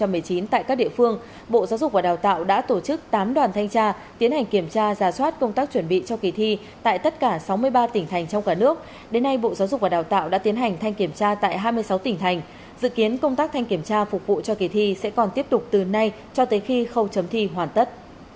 bộ trưởng tô lâm đã tổ chức tám đoàn thanh tra tiến hành kiểm tra giả soát công tác chuẩn bị cho kỳ thi tại tất cả sáu mươi ba tỉnh thành trong cả nước đến nay bộ giáo dục và đào tạo đã tiến hành thanh kiểm tra tại hai mươi sáu tỉnh thành dự kiến công tác thanh kiểm tra phục vụ cho kỳ thi sẽ còn tiếp tục từ nay cho tới khi khâu chấm thi hoàn tất